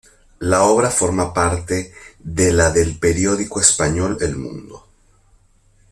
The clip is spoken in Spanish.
La obra forma parte de la del periódico español "El Mundo".